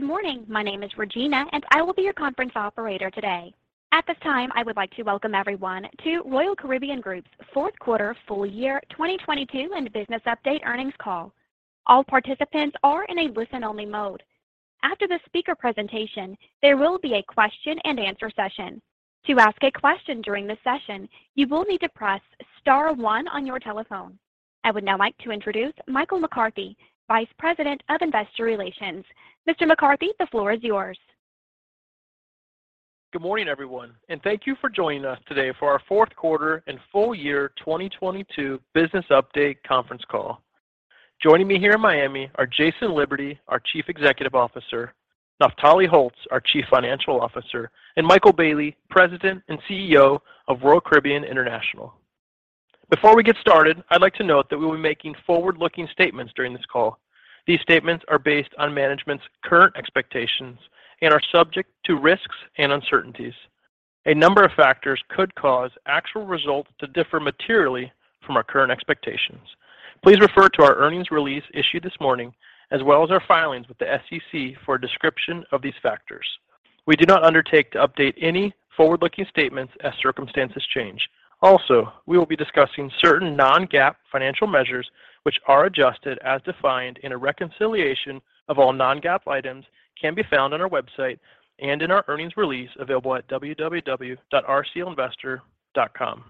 Good morning. My name is Regina. I will be your conference operator today. At this time, I would like to welcome everyone to Royal Caribbean Group's fourth quarter full year 2022 and business update earnings call. All participants are in a listen-only mode. After the speaker presentation, there will be a question and answer session. To ask a question during this session, you will need to press star one on your telephone. I would now like to introduce Michael McCarthy, Vice President of Investor Relations. Mr. McCarthy, the floor is yours. Good morning, everyone, and thank you for joining us today for our fourth quarter and full year 2022 business update conference call. Joining me here in Miami are Jason Liberty, our Chief Executive Officer, Naftali Holtz, our Chief Financial Officer, and Michael Bayley, President and CEO of Royal Caribbean International. Before we get started, I'd like to note that we will be making forward-looking statements during this call. These statements are based on management's current expectations and are subject to risks and uncertainties. A number of factors could cause actual results to differ materially from our current expectations. Please refer to our earnings release issued this morning as well as our filings with the SEC for a description of these factors. We do not undertake to update any forward-looking statements as circumstances change. We will be discussing certain non-GAAP financial measures which are adjusted as defined in a reconciliation of all non-GAAP items can be found on our website and in our earnings release available at rclinvestor.com.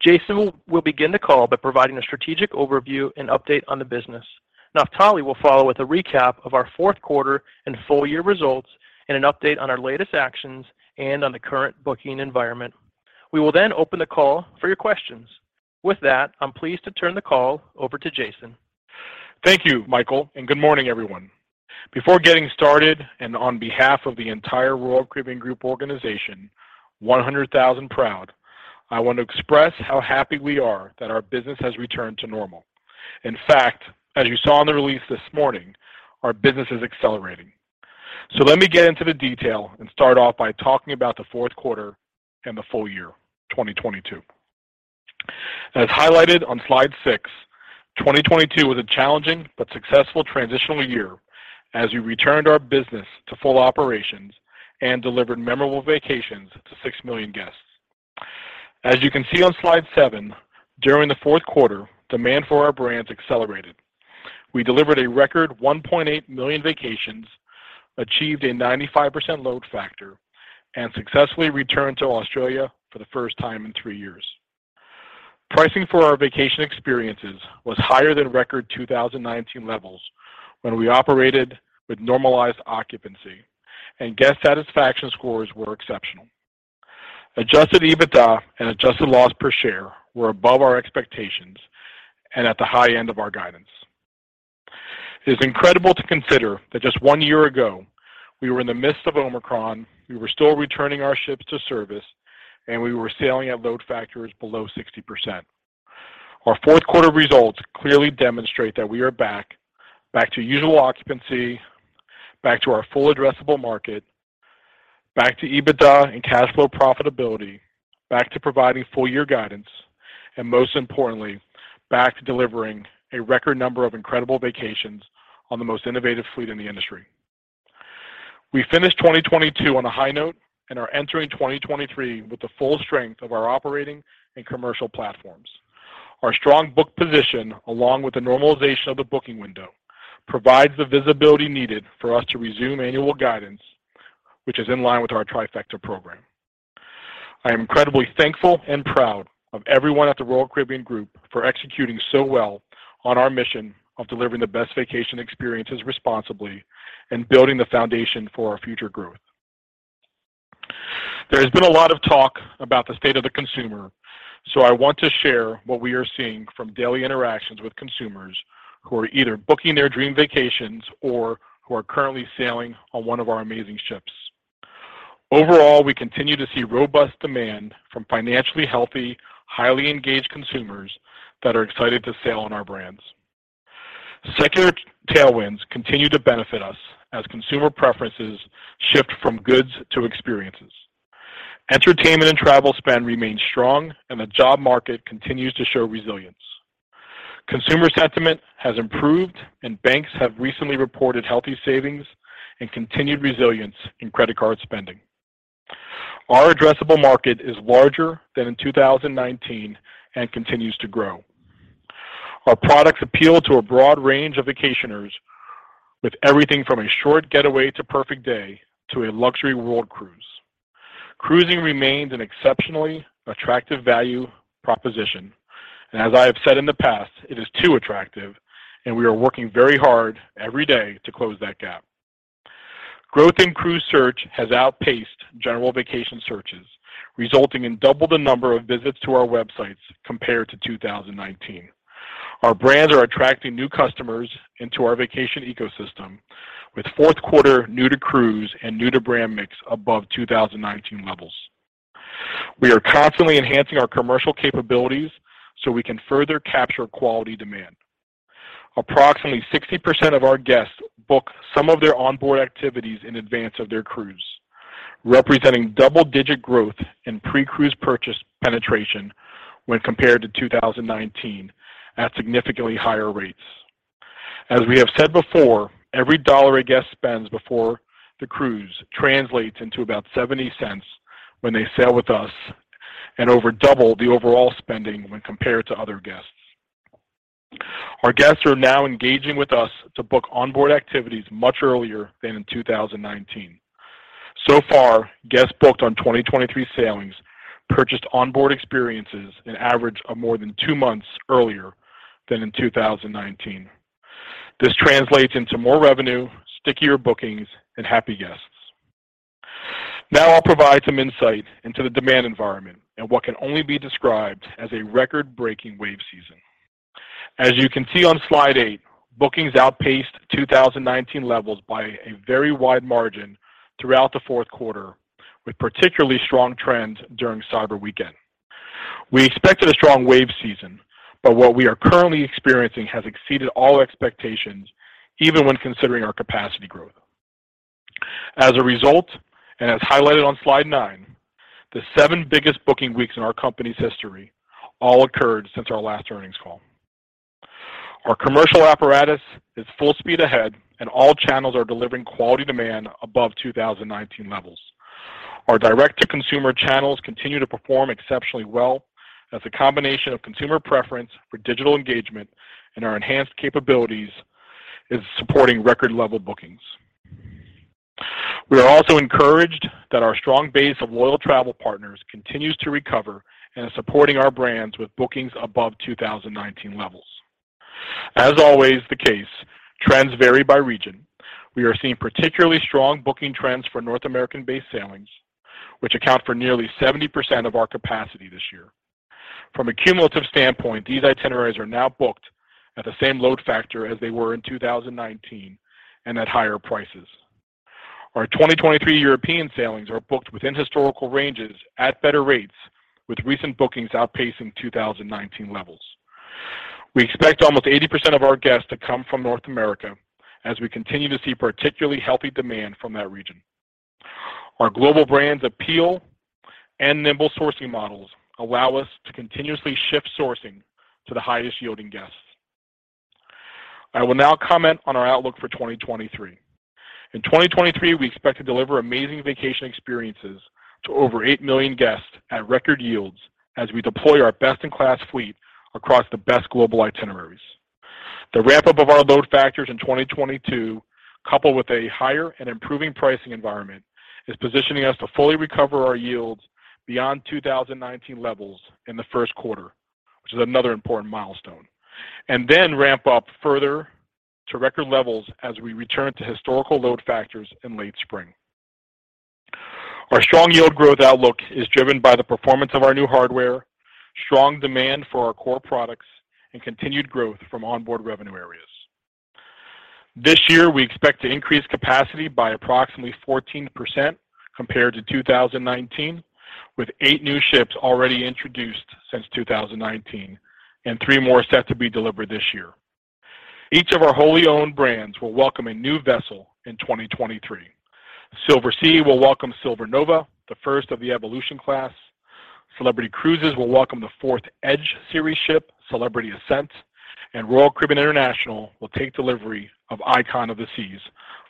Jason will begin the call by providing a strategic overview and update on the business. Naftali will follow with a recap of our fourth quarter and full-year results and an update on our latest actions and on the current booking environment. We will open the call for your questions. With that, I'm pleased to turn the call over to Jason. Thank you, Michael. Good morning, everyone. Before getting started, on behalf of the entire Royal Caribbean Group organization, 100,000 proud, I want to express how happy we are that our business has returned to normal. In fact, as you saw in the release this morning, our business is accelerating. Let me get into the detail and start off by talking about the fourth quarter and the full year, 2022. As highlighted on slide six, 2022 was a challenging but successful transitional year as we returned our business to full operations and delivered memorable vacations to 6 million guests. As you can see on slide seven, during the fourth quarter, demand for our brands accelerated. We delivered a record 1.8 million vacations, achieved a 95% load factor, and successfully returned to Australia for the first time in three years. Pricing for our vacation experiences was higher than record 2019 levels when we operated with normalized occupancy, and guest satisfaction scores were exceptional. Adjusted EBITDA and Adjusted Loss Per Share were above our expectations and at the high end of our guidance. It is incredible to consider that just one year ago, we were in the midst of Omicron, we were still returning our ships to service, and we were sailing at load factors below 60%. Our fourth quarter results clearly demonstrate that we are back to usual occupancy, back to our full addressable market, back to EBITDA and Cash Flow Profitability, back to providing full-year guidance, and most importantly, back to delivering a record number of incredible vacations on the most innovative fleet in the industry. We finished 2022 on a high note and are entering 2023 with the full strength of our operating and commercial platforms. Our strong book position, along with the normalization of the booking window, provides the visibility needed for us to resume annual guidance, which is in line with our Trifecta Program. I am incredibly thankful and proud of everyone at the Royal Caribbean Group for executing so well on our mission of delivering the best vacation experiences responsibly and building the foundation for our future growth. There has been a lot of talk about the state of the consumer, I want to share what we are seeing from daily interactions with consumers who are either booking their dream vacations or who are currently sailing on one of our amazing ships. Overall, we continue to see robust demand from financially healthy, highly engaged consumers that are excited to sail on our brands. Secular tailwinds continue to benefit us as consumer preferences shift from goods to experiences. Entertainment and travel spend remains strong. The job market continues to show resilience. Consumer sentiment has improved. Banks have recently reported healthy savings and continued resilience in credit card spending. Our addressable market is larger than in 2019 and continues to grow. Our products appeal to a broad range of vacationers with everything from a short getaway to Perfect Day to a luxury world cruise. Cruising remains an exceptionally attractive value proposition. As I have said in the past, it is too attractive. We are working very hard every day to close that gap. Growth in cruise search has outpaced general vacation searches, resulting in double the number of visits to our websites compared to 2019. Our brands are attracting new customers into our vacation ecosystem, with fourth quarter new to cruise and new to brand mix above 2019 levels. We are constantly enhancing our commercial capabilities so we can further capture quality demand. Approximately 60% of our guests book some of their onboard activities in advance of their cruise, representing double-digit growth in pre-cruise purchase penetration when compared to 2019 at significantly higher rates. As we have said before, every dollar a guest spends before the cruise translates into about $0.70 when they sail with us and over double the overall spending when compared to other guests. Our guests are now engaging with us to book onboard activities much earlier than in 2019. Far, guests booked on 2023 sailings purchased onboard experiences an average of more than two months earlier than in 2019. This translates into more revenue, stickier bookings, and happy guests. Now I'll provide some insight into the demand environment and what can only be described as a record-breaking WAVE Season. As you can see on slide eight, bookings outpaced 2019 levels by a very wide margin throughout the fourth quarter, with particularly strong trends during cyber weekend. We expected a strong WAVESeason, but what we are currently experiencing has exceeded all expectations, even when considering our capacity growth. As a result, and as highlighted on slide nine, the seven biggest booking weeks in our company's history all occurred since our last earnings call. Our commercial apparatus is full speed ahead, and all channels are delivering quality demand above 2019 levels. Our direct-to-consumer channels continue to perform exceptionally well as a combination of consumer preference for digital engagement and our enhanced capabilities is supporting record-level bookings. We are also encouraged that our strong base of loyal travel partners continues to recover and is supporting our brands with bookings above 2019 levels. As always the case, trends vary by region. We are seeing particularly strong booking trends for North American-based sailings, which account for nearly 70% of our capacity this year. From a cumulative standpoint, these itineraries are now booked at the same load factor as they were in 2019 and at higher prices. Our 2023 European sailings are booked within historical ranges at better rates, with recent bookings outpacing 2019 levels. We expect almost 80% of our guests to come from North America as we continue to see particularly healthy demand from that region. Our global brands' appeal and nimble sourcing models allow us to continuously shift sourcing to the highest-yielding guests. I will now comment on our outlook for 2023. In 2023, we expect to deliver amazing vacation experiences to over 8 million guests at record yields as we deploy our best-in-class fleet across the best global itineraries. The ramp-up of our load factors in 2022, coupled with a higher and improving pricing environment, is positioning us to fully recover our yields beyond 2019 levels in the first quarter, which is another important milestone, and then ramp up further to record levels as we return to historical load factors in late spring. Our strong yield growth outlook is driven by the performance of our new hardware, strong demand for our core products, and continued growth from onboard revenue areas. This year, we expect to increase capacity by approximately 14% compared to 2019, with eight new ships already introduced since 2019 and three more set to be delivered this year. Each of our wholly owned brands will welcome a new vessel in 2023. Silversea will welcome Silver Nova, the first of the Evolution Class. Celebrity Cruises will welcome the fourth Edge Series ship, Celebrity Ascent, and Royal Caribbean International will take delivery of Icon of the Seas,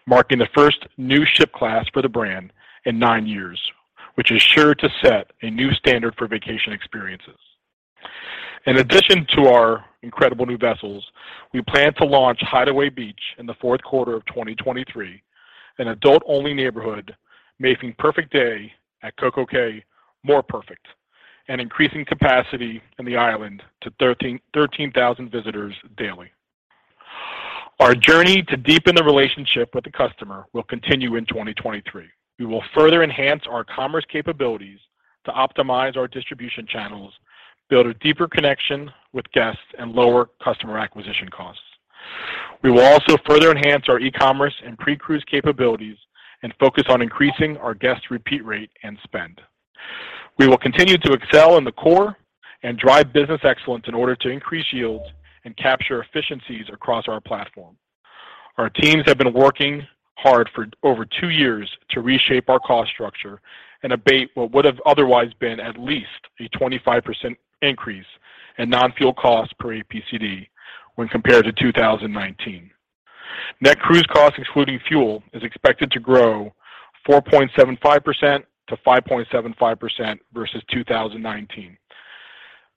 marking the first new ship class for the brand in nine years, which is sure to set a new standard for vacation experiences. In addition to our incredible new vessels, we plan to launch Hideaway Beach in the fourth quarter of 2023, an adult-only neighborhood making Perfect Day at CocoCay more perfect and increasing capacity in the island to 13,000 visitors daily. Our journey to deepen the relationship with the customer will continue in 2023. We will further enhance our commerce capabilities to optimize our distribution channels, build a deeper connection with guests, and lower customer acquisition costs. We will also further enhance our e-commerce and pre-cruise capabilities and focus on increasing our guest repeat rate and spend. We will continue to excel in the core and drive business excellence in order to increase yields and capture efficiencies across our platform. Our teams have been working hard for over two years to reshape our cost structure and abate what would have otherwise been at least a 25% increase in non-fuel costs per APCD when compared to 2019. Net cruise costs excluding fuel is expected to grow 4.75% to 5.75% versus 2019.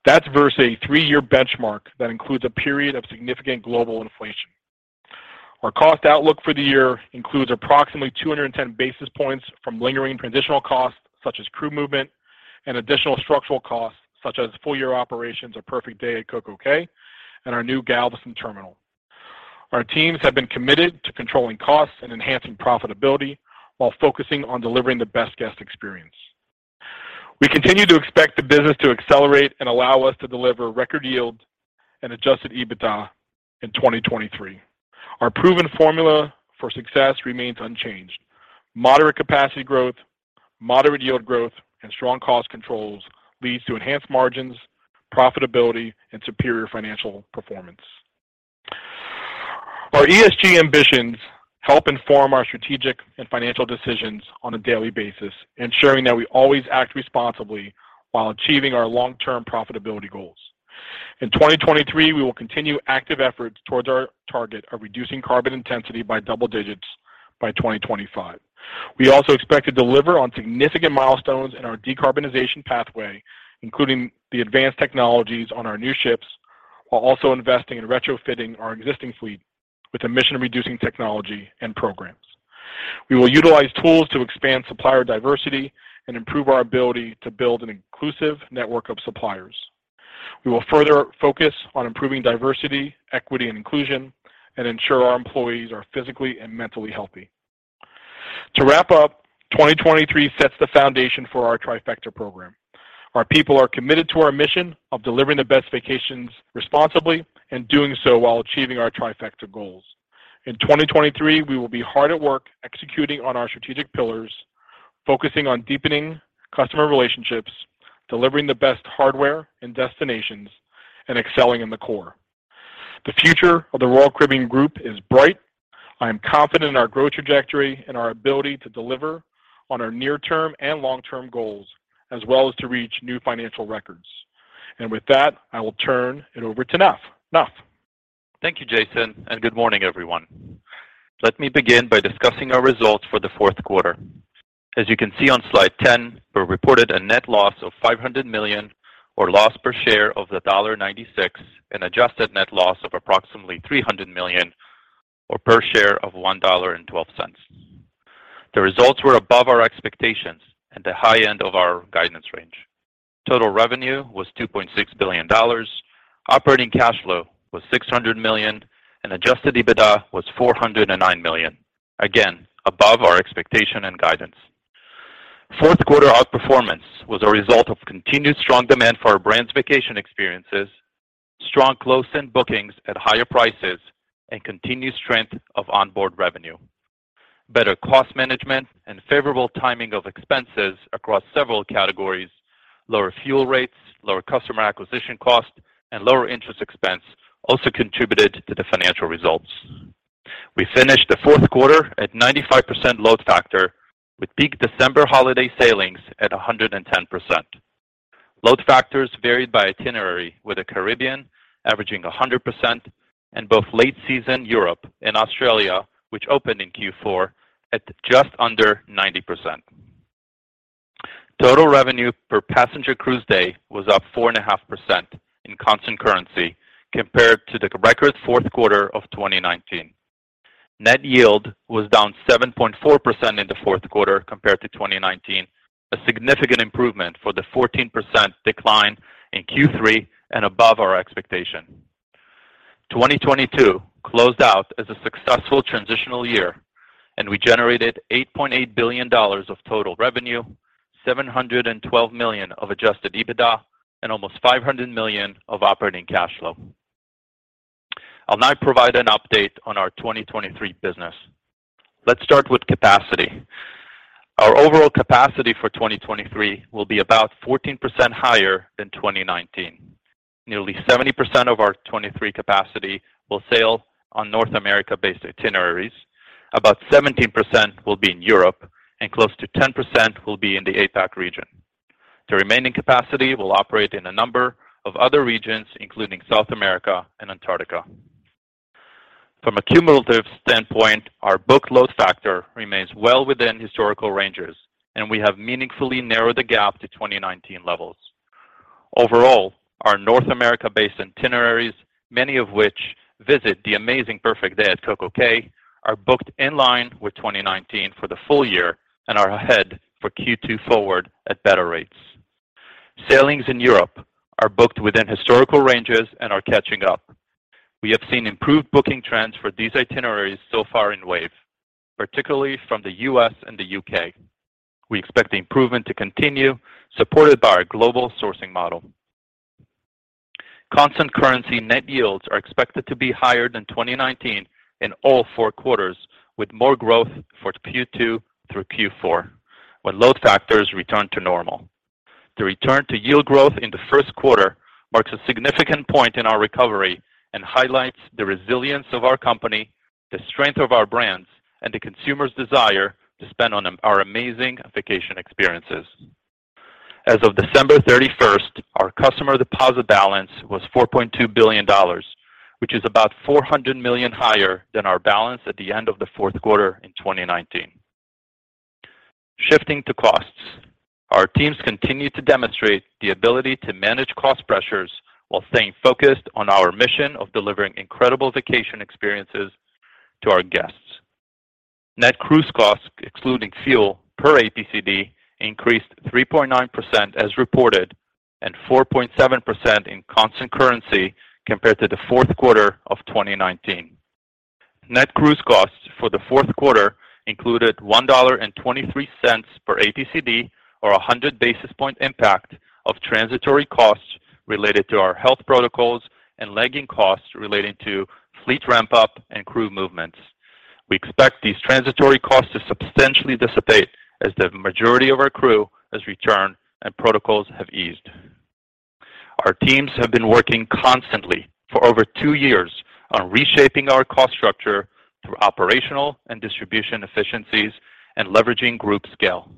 That's versus a three-year benchmark that includes a period of significant global inflation. Our cost outlook for the year includes approximately 210 basis points from lingering transitional costs, such as crew movement and additional structural costs, such as full-year operations of Perfect Day at CocoCay and our new Galveston terminal. Our teams have been committed to controlling costs and enhancing profitability while focusing on delivering the best guest experience. We continue to expect the business to accelerate and allow us to deliver record yield and Adjusted EBITDA in 2023. Our proven formula for success remains unchanged. Moderate capacity growth, moderate yield growth, and strong cost controls leads to enhanced margins, profitability, and superior financial performance. Our ESG ambitions help inform our strategic and financial decisions on a daily basis, ensuring that we always act responsibly while achieving our long-term profitability goals. In 2023, we will continue active efforts towards our target of reducing carbon intensity by double digits by 2025. We also expect to deliver on significant milestones in our decarbonization pathway, including the advanced technologies on our new ships, while also investing in retrofitting our existing fleet with emission-reducing technology and programs. We will utilize tools to expand supplier diversity and improve our ability to build an inclusive network of suppliers. We will further focus on improving diversity, equity and inclusion, and ensure our employees are physically and mentally healthy. To wrap up, 2023 sets the foundation for our Trifecta Program. Our people are committed to our mission of delivering the best vacations responsibly and doing so while achieving our Trifecta goals. In 2023, we will be hard at work executing on our strategic pillars, focusing on deepening customer relationships, delivering the best hardware and destinations, and excelling in the core. The future of the Royal Caribbean Group is bright. I am confident in our growth trajectory and our ability to deliver on our near-term and long-term goals, as well as to reach new financial records. With that, I will turn it over to Naf. Naf. Thank you, Jason. Good morning, everyone. Let me begin by discussing our results for the fourth quarter. As you can see on slide 10, we reported a net loss of $500 million or loss per share of $1.96 an adjusted net loss of approximately $300 million or per share of $1.12. The results were above our expectations at the high end of our guidance range. Total revenue was $2.6 billion. Operating cash flow was $600 million, and adjusted EBITDA was $409 million. Again, above our expectation and guidance. Fourth quarter outperformance was a result of continued strong demand for our brand's vacation experiences, strong closed-end bookings at higher prices, and continued strength of onboard revenue. Cost management and favorable timing of expenses across several categories, lower fuel rates, lower customer acquisition cost, and lower interest expense also contributed to the financial results. We finished the fourth quarter at 95% load factor with peak December holiday sailings at 110%. Load factors varied by itinerary, with the Caribbean averaging 100% and both late season Europe and Australia, which opened in Q4 at just under 90%. Total revenue per passenger cruise day was up 4.5% in constant currency compared to the record fourth quarter of 2019. Net yield was down 7.4% in the fourth quarter compared to 2019, a significant improvement for the 14% decline in Q3 and above our expectation. 2022 closed out as a successful transitional year. We generated $8 point billion of total revenue, $712 million of Adjusted EBITDA, and almost $500 million of Operating Cash Flow. I'll now provide an update on our 2023 business. Let's start with capacity. Our overall capacity for 2023 will be about 14% higher than 2019. Nearly 70% of our 2023 capacity will sail on North America-based itineraries. About 17% will be in Europe, and close to 10% will be in the APAC region. The remaining capacity will operate in a number of other regions, including South America and Antarctica. From a cumulative standpoint, our book load factor remains well within historical ranges, and we have meaningfully narrowed the gap to 2019 levels. Overall, our North America-based itineraries, many of which visit the amazing Perfect Day at CocoCay, are booked in line with 2019 for the full year and are ahead for Q2 forward at better rates. Sailings in Europe are booked within historical ranges and are catching up. We have seen improved booking trends for these itineraries so far in WAVE, particularly from the U.S. And the U.K. We expect the improvement to continue, supported by our global sourcing model. Constant currency net yields are expected to be higher than 2019 in all four quarters, with more growth for Q2 through Q4 when load factors return to normal. The return to yield growth in the first quarter marks a significant point in our recovery and highlights the resilience of our company, the strength of our brands, and the consumer's desire to spend on our amazing vacation experiences. As of December 31st, our customer deposit balance was $4.2 billion, which is about $400 million higher than our balance at the end of the fourth quarter in 2019. Shifting to costs. Our teams continue to demonstrate the ability to manage cost pressures while staying focused on our mission of delivering incredible vacation experiences to our guests. Net cruise costs, excluding fuel per APCD, increased 3.9% as reported and 4.7% in constant currency compared to the fourth quarter of 2019. Net cruise costs for the fourth quarter included $1.23 per APCD or a 100 basis point impact of transitory costs related to our health protocols and lagging costs relating to fleet ramp-up and crew movements. We expect these transitory costs to substantially dissipate as the majority of our crew has returned and protocols have eased. Our teams have been working constantly for over two years on reshaping our cost structure through operational and distribution efficiencies and leveraging group scale.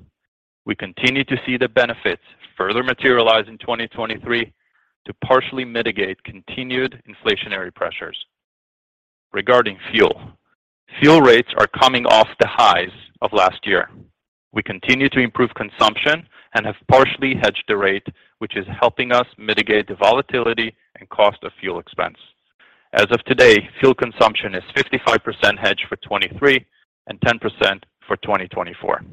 We continue to see the benefits further materialize in 2023 to partially mitigate continued inflationary pressures. Regarding fuel. Fuel rates are coming off the highs of last year. We continue to improve consumption and have partially hedged the rate, which is helping us mitigate the volatility and cost of fuel expense. As of today, fuel consumption is 55% hedged for 2023 and 10% for 2024.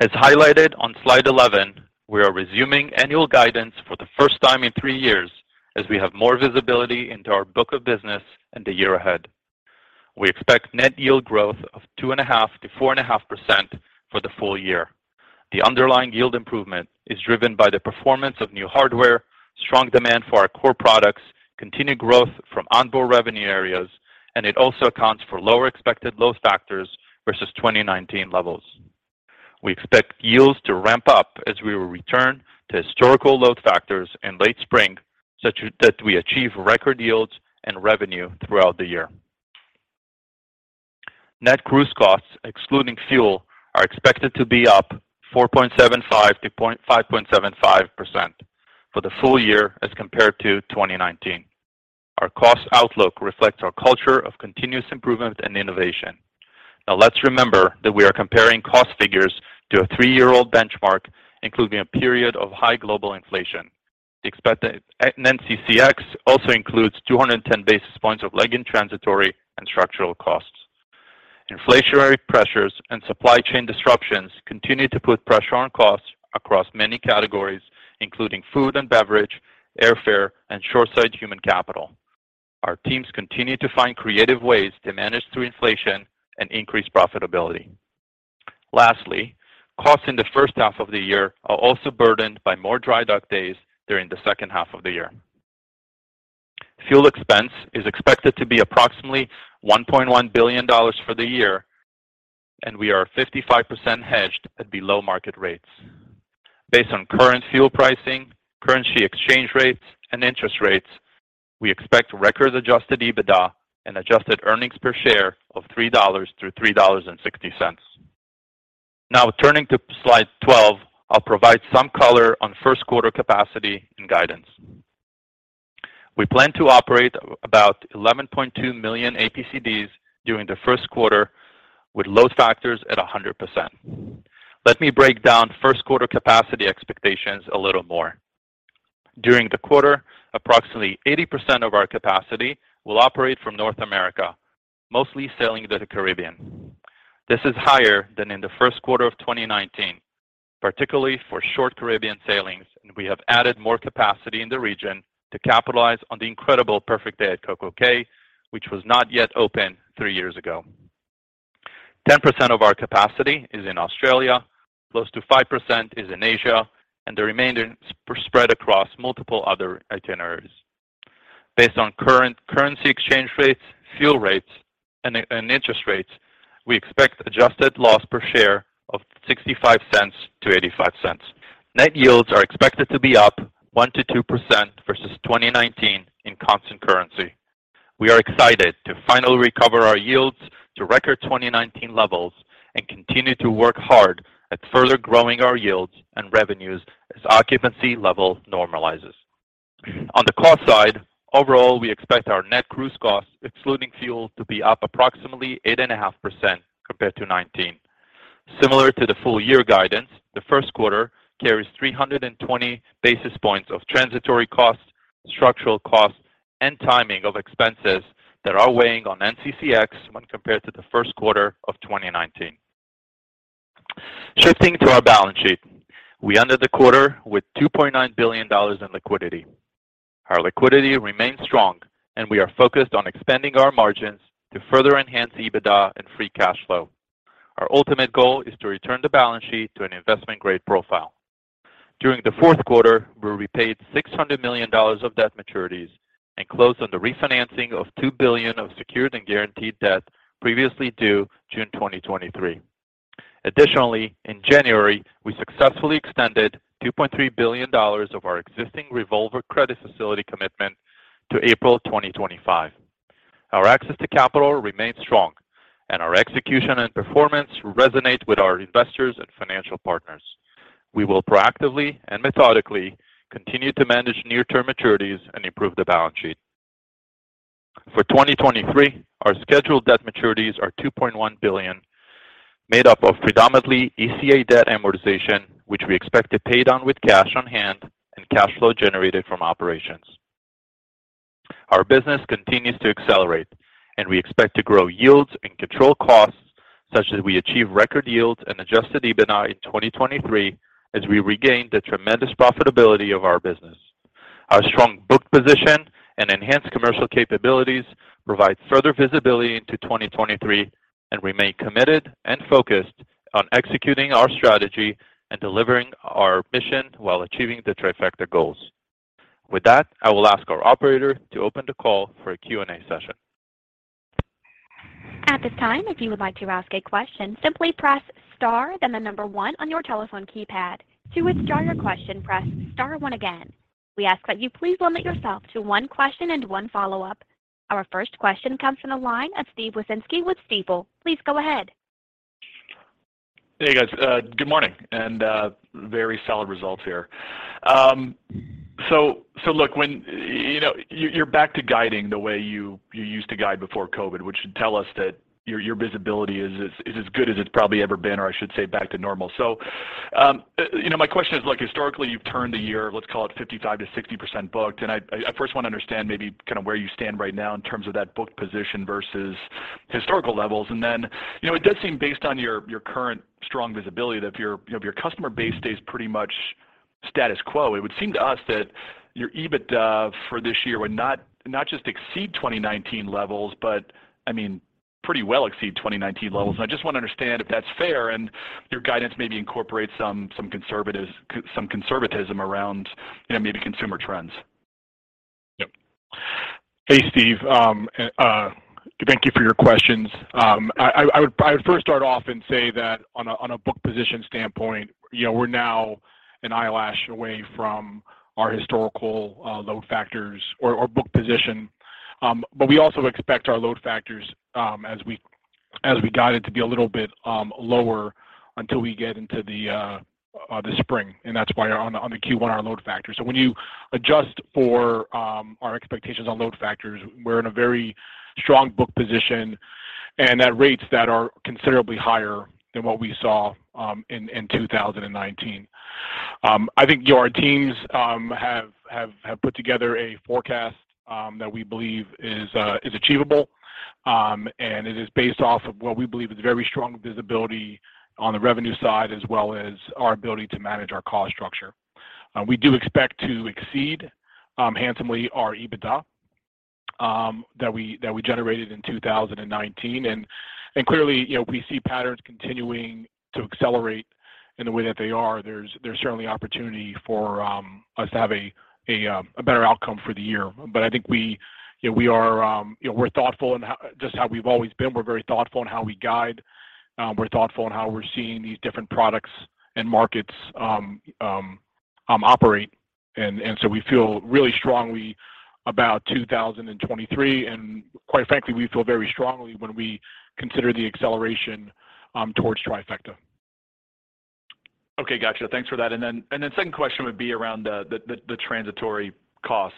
As highlighted on slide 11, we are resuming annual guidance for the first time in three years as we have more visibility into our book of business in the year ahead. We expect net yield growth of 2.5%-4.5% for the full year. The underlying yield improvement is driven by the performance of new hardware, strong demand for our core products, continued growth from onboard revenue areas, and it also accounts for lower expected load factors versus 2019 levels. We expect yields to ramp up as we will return to historical load factors in late spring such that we achieve record yields and revenue throughout the year. Net cruise costs excluding fuel, are expected to be up 4.75%-5.75% for the full year as compared to 2019. Our cost outlook reflects our culture of continuous improvement and innovation. Let's remember that we are comparing cost figures to a three-year-old benchmark, including a period of high global inflation. NCCX also includes 210 basis points of leg and transitory and structural costs. Inflationary pressures and supply chain disruptions continue to put pressure on costs across many categories, including food and beverage, airfare, and shoreside human capital. Our teams continue to find creative ways to manage through inflation and increase profitability. Lastly, costs in the first half of the year are also burdened by more dry dock days during the second half of the year. Fuel expense is expected to be approximately $1.1 billion for the year, and we are 55% hedged at below-market rates. Based on current fuel pricing, currency exchange rates, and interest rates, we expect record Adjusted EBITDA and adjusted earnings per share of $3.00-$3.60. Turning to slide 12, I'll provide some color on first quarter capacity and guidance. We plan to operate about 11.2 million APCDs during the first quarter with load factors at 100%. Let me break down first quarter capacity expectations a little more. During the quarter, approximately 80% of our capacity will operate from North America, mostly sailing to the Caribbean. This is higher than in the first quarter of 2019, particularly for short Caribbean sailings, and we have added more capacity in the region to capitalize on the incredible Perfect Day at CocoCay, which was not yet open three years ago. 10% of our capacity is in Australia, close to 5% is in Asia, and the remainder is spread across multiple other itineraries. Based on current currency exchange rates, fuel rates, and interest rates, we expect Adjusted Loss Per Share of $0.65-$0.85. Net yields are expected to be up 1%-2% versus 2019 in constant currency. We are excited to finally recover our yields to record 2019 levels and continue to work hard at further growing our yields and revenues as occupancy level normalizes. On the cost side, overall, we expect our net cruise costs, excluding fuel, to be up approximately 8.5% compared to 2019. Similar to the full year guidance, the first quarter carries 320 basis points of transitory costs, structural costs, and timing of expenses that are weighing on NCCX when compared to the first quarter of 2019. Shifting to our balance sheet. We ended the quarter with $2.9 billion in liquidity. Our liquidity remains strong, and we are focused on expanding our margins to further enhance EBITDA and Free Cash Flow. Our ultimate goal is to return the balance sheet to an investment-grade profile. During the fourth quarter, we repaid $600 million of debt maturities and closed on the refinancing of $2 billion of secured and guaranteed debt previously due June 2023. Additionally, in January, we successfully extended $2.3 billion of our existing revolver credit facility commitment to April 2025. Our access to capital remains strong, and our execution and performance resonate with our investors and financial partners. We will proactively and methodically continue to manage near-term maturities and improve the balance sheet. For 2023, our scheduled debt maturities are $2.1 billion, made up of predominantly ECA debt amortization, which we expect to pay down with cash on hand and cash flow generated from operations. Our business continues to accelerate, and we expect to grow yields and control costs such that we achieve record yields and Adjusted EBITDA in 2023 as we regain the tremendous profitability of our business. Our strong book position and enhanced commercial capabilities provide further visibility into 2023 and remain committed and focused on executing our strategy and delivering our mission while achieving the Trifecta goals. With that, I will ask our operator to open the call for a Q&A session. At this time, if you would like to ask a question, simply press star then the number one on your telephone keypad. To withdraw your question, press star one again. We ask that you please limit yourself to one question and one follow-up. Our first question comes from the line of Steven Wieczynski with Stifel. Please go ahead. Hey, guys. good morning and very solid results here. so look, when, you know, you're back to guiding the way you used to guide before COVID, which should tell us that your visibility is as good as it's probably ever been, or I should say, back to normal. My question is like historically you've turned the year, let's call it 55%-60% booked, and I first want to understand maybe kind of where you stand right now in terms of that book position versus historical levels. You know, it does seem based on your current strong visibility that if your, you know, if your customer base stays pretty much status quo, it would seem to us that your EBITDA for this year would not just exceed 2019 levels, but I mean, pretty well exceed 2019 levels. I just want to understand if that's fair and your guidance maybe incorporates some conservatism around, you know, maybe consumer trends. Yep. Hey, Steve. Thank you for your questions. I would first start off and say that on a, on a book position standpoint, you know, we're now an eyelash away from our historical load factors or book position. We also expect our load factors, as we guide it to be a little bit lower until we get into the spring, that's why on the Q1, our load factor. When you adjust for our expectations on load factors, we're in a very strong book position and at rates that are considerably higher than what we saw in 2019. I think your teams have put together a forecast that we believe is achievable, it is based off of what we believe is very strong visibility on the revenue side as well as our ability to manage our cost structure. We do expect to exceed handsomely our EBITDA that we generated in 2019. Clearly, you know, we see patterns continuing to accelerate in the way that they are. There's certainly opportunity for us to have a better outcome for the year. But I think we, you know, we are, you know, we're thoughtful in how... just how we've always been. We're very thoughtful in how we guide. We're thoughtful in how we're seeing these different products and markets operate. We feel really strongly about 2023. Quite frankly, we feel very strongly when we consider the acceleration towards Trifecta. Okay. Gotcha. Thanks for that. Second question would be around the transitory costs.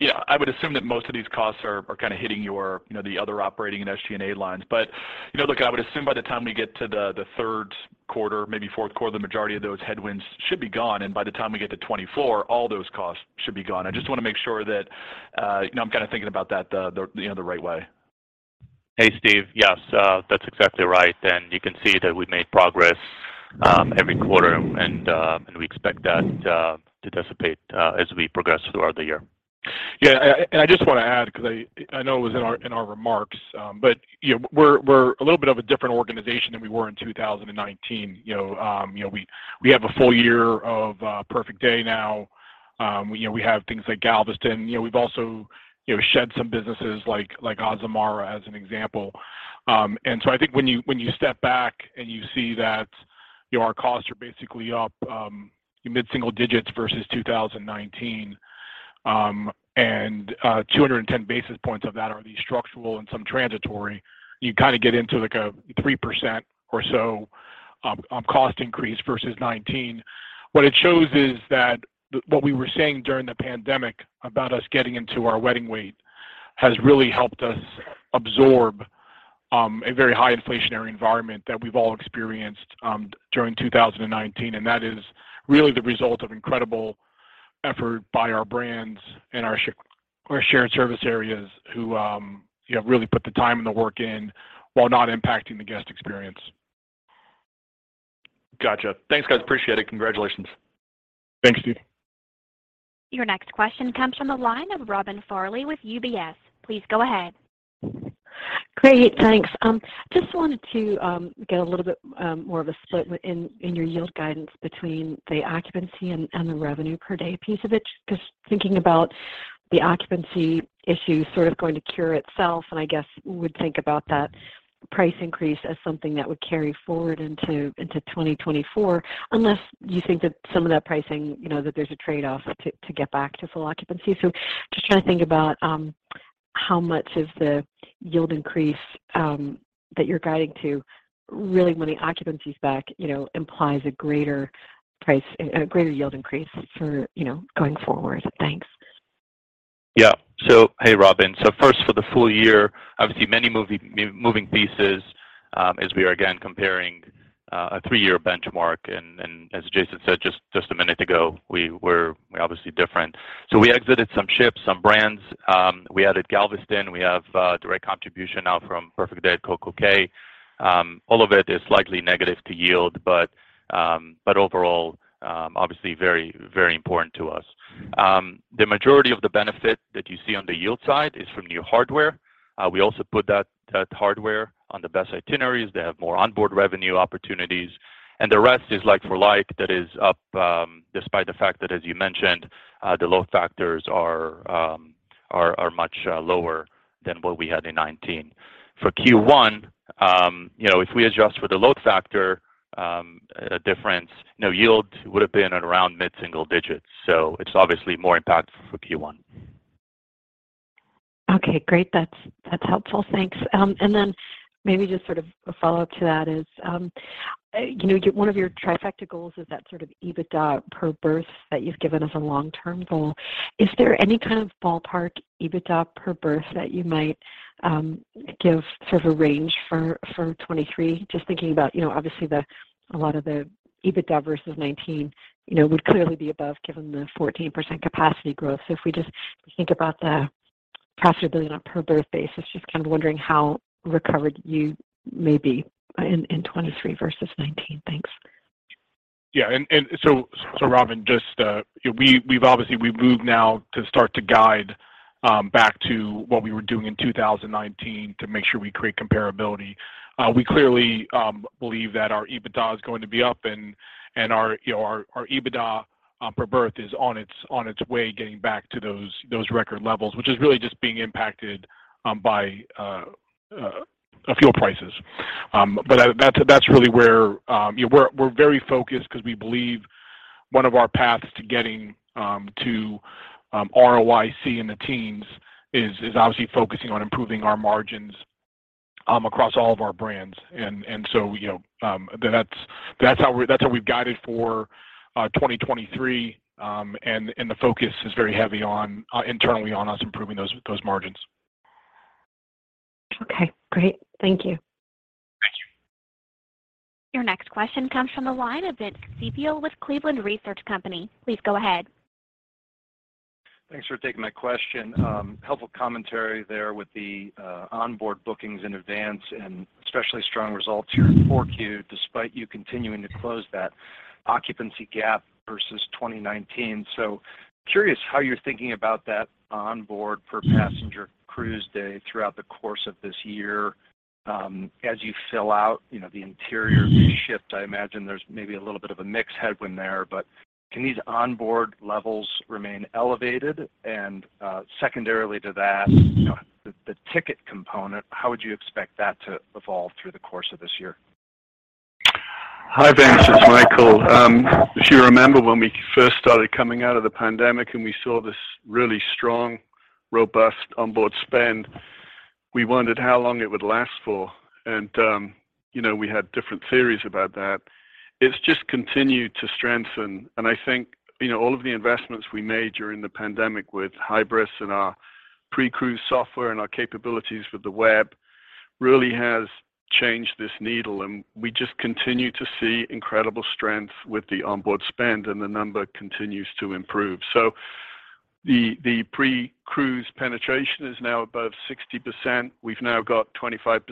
Yeah, I would assume that most of these costs are kind of hitting your, you know, the other operating and SG&A lines. You know, look, I would assume by the time we get to the third quarter, maybe fourth quarter, the majority of those headwinds should be gone, and by the time we get to 2024, all those costs should be gone. I just want to make sure that, you know, I'm kinda thinking about that the, you know, the right way. Hey, Steve. Yes, that's exactly right. You can see that we made progress every quarter and we expect that to dissipate as we progress throughout the year. Yeah. I just want to add because I know it was in our, in our remarks, but, you know, we're a little bit of a different organization than we were in 2019. You know, you know, we have a full year of Perfect Day now. You know, we have things like Galveston. You know, we've also, you know, shed some businesses like Azamara, as an example. I think when you step back and you see that, you know, our costs are basically up, mid-single digits versus 2019, and 210 basis points of that are these structural and some transitory, you kind of get into like a 3% or so, cost increase versus 2019. What it shows is that what we were saying during the pandemic about us getting into our wedding weight has really helped us absorb a very high inflationary environment that we've all experienced during 2019. That is really the result of incredible effort by our brands and our shared service areas who, you know, really put the time and the work in while not impacting the guest experience. Gotcha. Thanks, guys. Appreciate it. Congratulations. Thanks, Steve. Your next question comes from the line of Robin Farley with UBS. Please go ahead. Great. Thanks. just wanted to get a little bit more of a split in your yield guidance between the occupancy and the revenue per day piece of it. Because thinking about the occupancy issue sort of going to cure itself, and I guess would think about that price increase as something that would carry forward into 2024, unless you think that some of that pricing, you know, that there's a trade-off to get back to full occupancy. Just trying to think about how much of the yield increase that you're guiding to really when the occupancy is back, you know, implies a greater price and a greater yield increase for, you know, going forward. Thanks. Hey, Robin. First, for the full year, obviously many moving pieces, as we are again comparing a three-year benchmark. As Jason said just a minute ago, we were obviously different. We exited some ships, some brands. We added Galveston. We have direct contribution now from Perfect Day at CocoCay. All of it is slightly negative to yield, but overall, obviously very, very important to us. The majority of the benefit that you see on the yield side is from new hardware. We also put that hardware on the best itineraries. They have more onboard revenue opportunities, and the rest is like for like that is up, despite the fact that, as you mentioned, the load factors are much lower than what we had in 19. For Q1, you know, if we adjust for the load factor, difference, you know, yield would have been at around mid-single digits. It's obviously more impactful for Q1. Okay, great. That's helpful. Thanks. Then maybe just sort of a follow-up to that is, you know, one of your Trifecta goals is that sort of EBITDA per berth that you've given as a long-term goal. Is there any kind of ballpark EBITDA per berth that you might give sort of a range for 2023? Just thinking about, you know, obviously a lot of the EBITDA versus 2019, you know, would clearly be above given the 14% capacity growth. If we just think about the profitability on a per berth basis, just kind of wondering how recovered you may be in 2023 versus 2019. Thanks. Yeah. So, Robin, just, you know, we've obviously we've moved now to start to guide back to what we were doing in 2019 to make sure we create comparability. We clearly believe that our EBITDA is going to be up and our, you know, our EBITDA per berth is on its way getting back to those record levels, which is really just being impacted by fuel prices. That's really where, you know, we're very focused because we believe one of our paths to getting to ROIC in the teens is obviously focusing on improving our margins across all of our brands. So, you know, that's how we've guided for 2023. The focus is very heavy on, internally on us improving those margins. Okay, great. Thank you. Thank you. Your next question comes from the line of Vince Ciepiel with Cleveland Research Company. Please go ahead. Thanks for taking my question. Helpful commentary there with the onboard bookings in advance and especially strong results here in 4Q despite you continuing to close that occupancy gap versus 2019. Curious how you're thinking about that onboard per passenger cruise day throughout the course of this year, as you fill out, you know, the interior of these ships. I imagine there's maybe a little bit of a mix headwind there, but can these onboard levels remain elevated? Secondarily to that, you know, the ticket component, how would you expect that to evolve through the course of this year? Hi, Vince, it's Michael. If you remember when we first started coming out of the pandemic and we saw this really strong, robust onboard spend, we wondered how long it would last for. You know, we had different theories about that. It's just continued to strengthen. I think, you know, all of the investments we made during the pandemic with Hybris and our pre-cruise software and our capabilities with the web really has changed this needle. We just continue to see incredible strength with the onboard spend, and the number continues to improve. The pre-cruise penetration is now above 60%. We've now got 25%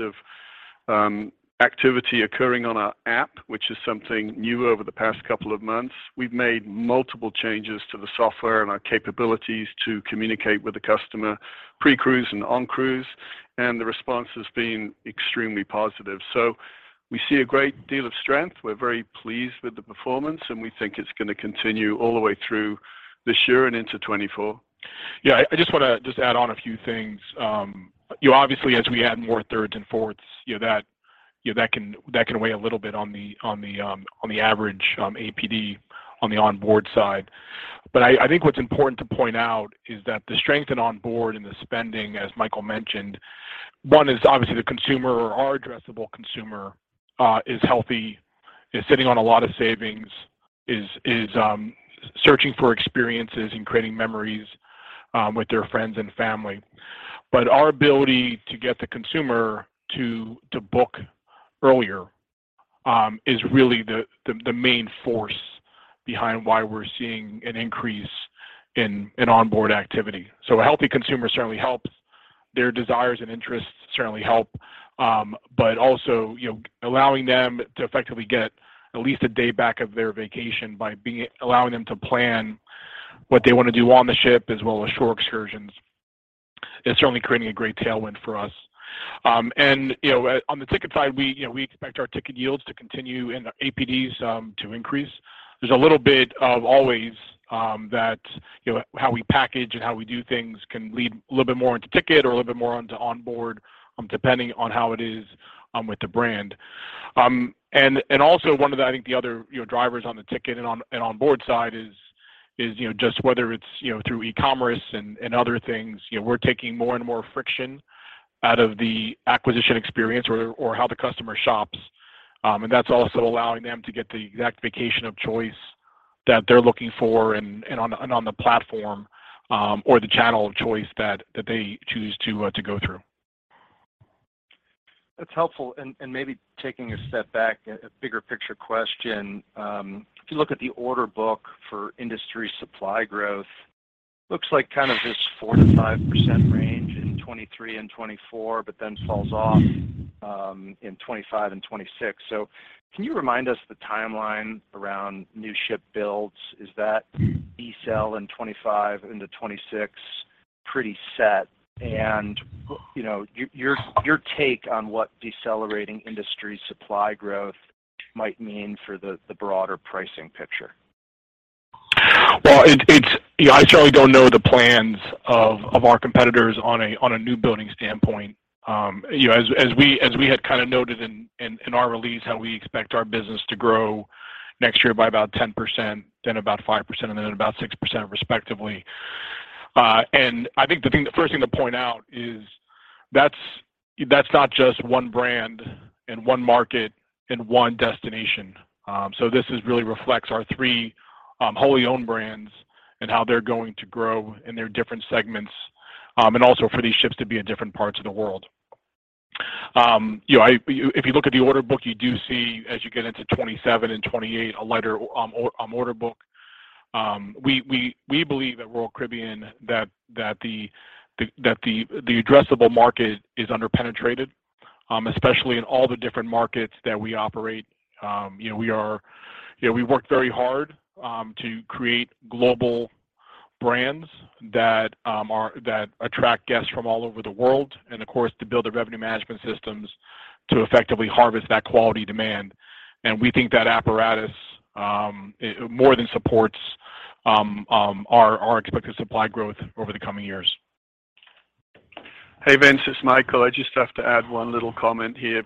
of activity occurring on our app, which is something new over the past couple of months. We've made multiple changes to the software and our capabilities to communicate with the customer pre-cruise and on-cruise. The response has been extremely positive. We see a great deal of strength. We're very pleased with the performance. We think it's going to continue all the way through this year and into 2024. Yeah. I just want to just add on a few things. You know, obviously, as we add more thirds and fourths, you know, that, you know, that can, that can weigh a little bit on the, on the average APD on the onboard side. I think what's important to point out is that the strength in onboard and the spending, as Michael mentioned, one is obviously the consumer or our addressable consumer, is healthy, is sitting on a lot of savings, is searching for experiences and creating memories with their friends and family. Our ability to get the consumer to book earlier, is really the, the main force behind why we're seeing an increase in onboard activity. A healthy consumer certainly helps. Their desires and interests certainly help. Also, you know, allowing them to effectively get at least one day back of their vacation allowing them to plan what they want to do on the ship as well as shore excursions is certainly creating a great tailwind for us. You know, on the ticket side, we, you know, we expect our ticket yields to continue and our APDs to increase. There's a little bit of always, that, you know, how we package and how we do things can lead a little bit more into ticket or a little bit more into onboard, depending on how it is, with the brand. Also one of the, I think, the other, you know, drivers on the ticket and onboard side is, you know, just whether it's, you know, through e-commerce and other things. You know, we're taking more and more friction out of the acquisition experience or how the customer shops. That's also allowing them to get the exact vacation of choice that they're looking for and on the platform, or the channel of choice that they choose to go through. That's helpful. Maybe taking a step back, a bigger picture question. If you look at the order book for industry supply growth, looks like kind of this 4%-5% range in 2023 and 2024, but then falls off in 2025 and 2026. Can you remind us the timeline around new ship builds? Is that decel in 2025 into 2026 pretty set? You know, your take on what decelerating industry supply growth might mean for the broader pricing picture. Well, it's, you know, I surely don't know the plans of our competitors on a new building standpoint. You know, as we had kind of noted in our release how we expect our business to grow next year by about 10%, then about 5%, and then about 6% respectively. I think the first thing to point out is that's not just one brand and one market and one destination. This is really reflects our three wholly owned brands and how they're going to grow in their different segments and also for these ships to be in different parts of the world. You know, if you look at the order book, you do see as you get into 27 and 28, a lighter order book. We believe at Royal Caribbean that the addressable market is under-penetrated, especially in all the different markets that we operate. You know, we work very hard to create global brands that attract guests from all over the world and of course to build the revenue management systems to effectively harvest that quality demand. We think that apparatus, it more than supports our expected supply growth over the coming years. Hey, Vince, it's Michael. I just have to add one little comment here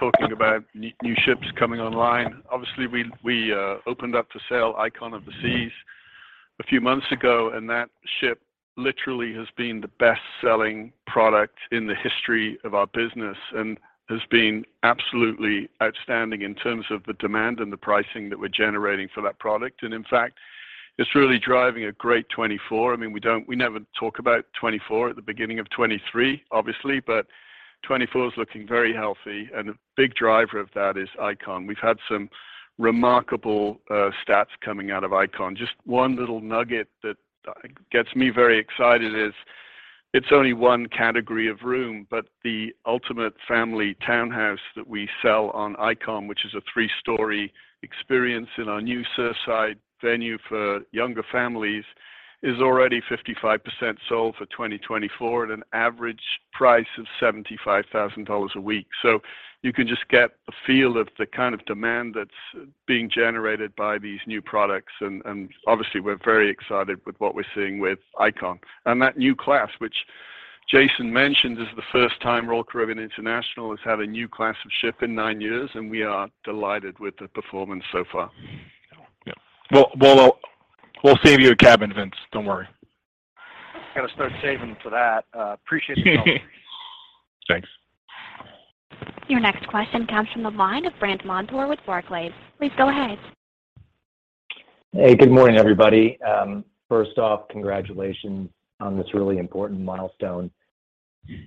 talking about new ships coming online. Obviously, we opened up for sale Icon of the Seas a few months ago, and that ship literally has been the best-selling product in the history of our business and has been absolutely outstanding in terms of the demand and the pricing that we're generating for that product. In fact, it's really driving a great 2024. I mean, we never talk about 2024 at the beginning of 2023, obviously, 2024 is looking very healthy, and a big driver of that is Icon. We've had some remarkable stats coming out of Icon. Just one little nugget that gets me very excited is it's only one category of room, but the Ultimate Family Townhouse that we sell on Icon, which is a three-story experience in our new Surfside venue for younger families, is already 55% sold for 2024 at an average price of $75,000 a week. You can just get a feel of the kind of demand that's being generated by these new products and obviously we're very excited with what we're seeing with Icon. That new class, which Jason mentioned, is the first time Royal Caribbean International has had a new class of ship in nine years, and we are delighted with the performance so far. Yeah. We'll save you a cabin, Vince. Don't worry. Got to start saving for that. Appreciate the call. Thanks. Your next question comes from the line of Brandt Montour with Barclays. Please go ahead. Hey, good morning, everybody. First off, congratulations on this really important milestone.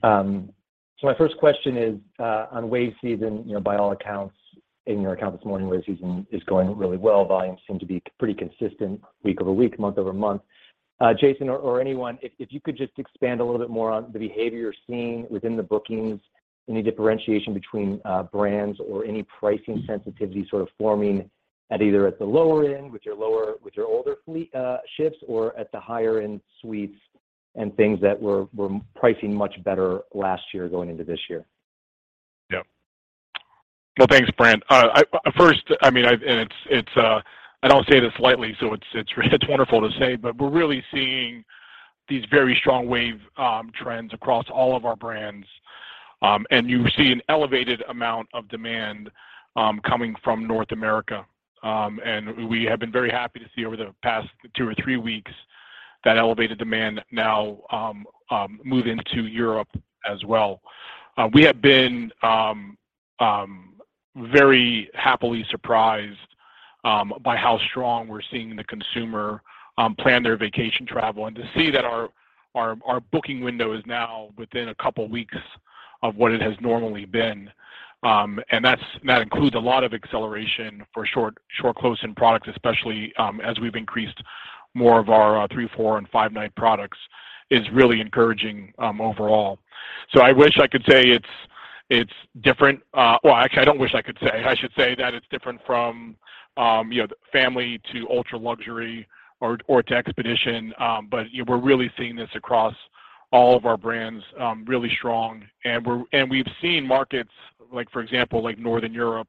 My first question is on WAVE Season, you know, by all accounts, in your account this morning, WAVE Season is going really well. Volumes seem to be pretty consistent week-over-week, month-over-month. Jason or anyone, if you could just expand a little bit more on the behavior you're seeing within the bookings, any differentiation between brands or any pricing sensitivity sort of forming at either the lower end with your lower, older fleet ships, or at the higher end suites and things that were pricing much better last year going into this year? Yeah. Well, thanks, Brandt. It's, I don't say this lightly, so it's wonderful to say, but we're really seeing these very strong WAVE trends across all of our brands. You see an elevated amount of demand coming from North America. We have been very happy to see over the past two or three weeks that elevated demand now move into Europe as well. We have been very happily surprised by how strong we're seeing the consumer plan their vacation travel and to see that our booking window is now within a couple weeks of what it has normally been. That includes a lot of acceleration for short close-in products, especially as we've increased more of our three, four, and five-night products is really encouraging overall. I wish I could say it's different. Well, actually I don't wish I could say. I should say that it's different from, you know, family to ultra-luxury or to expedition. You know, we're really seeing this across all of our brands, really strong. We've seen markets like for example, like Northern Europe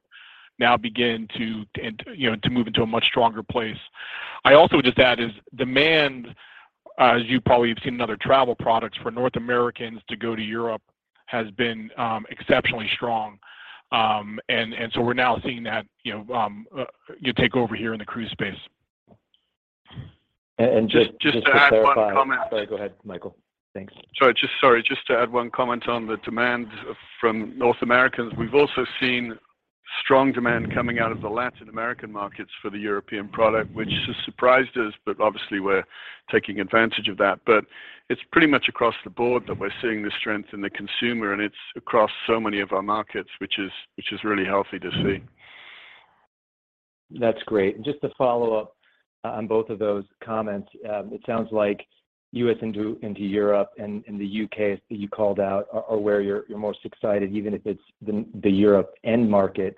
now begin to, you know, to move into a much stronger place. I also would just add is demand, as you probably have seen in other travel products, for North Americans to go to Europe has been exceptionally strong. We're now seeing that, you know, you take over here in the cruise space. Just to clarify. Just to add one comment. Sorry, go ahead, Michael. Thanks. Sorry, just to add one comment on the demand from North Americans. We've also seen strong demand coming out of the Latin American markets for the European product, which has surprised us, but obviously we're taking advantage of that. It's pretty much across the board that we're seeing the strength in the consumer, and it's across so many of our markets, which is really healthy to see. That's great. Just to follow up on both of those comments. It sounds like U.S. into Europe and the U.K. That you called out are where you're most excited, even if it's the Europe end market.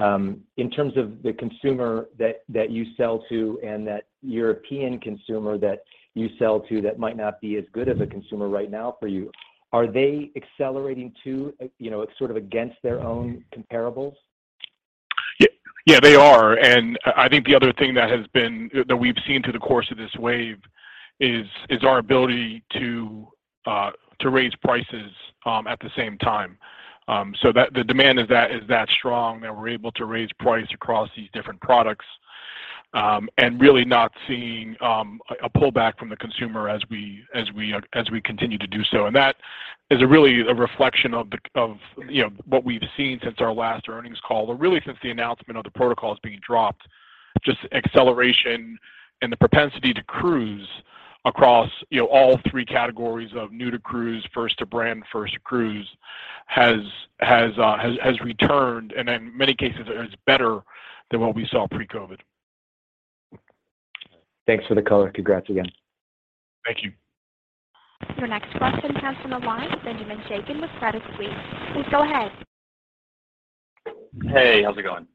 In terms of the consumer that you sell to and that European consumer that you sell to that might not be as good of a consumer right now for you, are they accelerating too, you know, sort of against their own comparables? Yeah, they are. I think the other thing that we've seen through the course of this wave is our ability to raise prices at the same time. That the demand is that strong that we're able to raise price across these different products, and really not seeing a pullback from the consumer as we continue to do so. That is a really a reflection of, you know, what we've seen since our last earnings call or really since the announcement of the protocols being dropped. Just acceleration and the propensity to cruise across, you know, all three categories of new to cruise, first to brand, first to cruise has returned and in many cases is better than what we saw pre-COVID. Thanks for the color. Congrats again. Thank you. Your next question comes from the line of Benjamin Chaiken with Credit Suisse. Please go ahead. Hey, how's it going?